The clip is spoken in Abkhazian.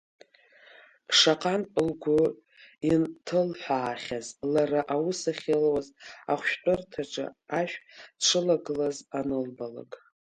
Шаҟантә лгәы инҭылҳәаахьаз, лара аус ахьылуаз ахәышәтәырҭаҿы ашә дшылагылаз анылбалак.